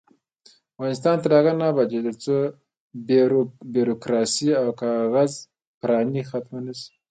افغانستان تر هغو نه ابادیږي، ترڅو بیروکراسي او کاغذ پراني ختمه نشي.